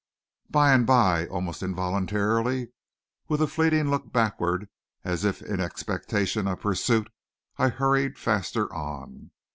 By and by, almost involuntarily, with a fleeting look backward as if in expectation of pursuit, I hurried faster on.